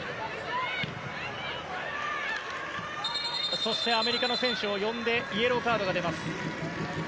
そしてアメリカの選手を呼んでイエローカードが出ます。